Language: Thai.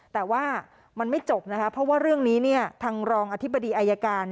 แต่ว่ามันไม่จบนะคะเพราะว่าเรื่องนี้เนี่ยทางรองอธิบดีอายการ